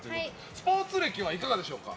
スポーツ歴はいかがでしょうか？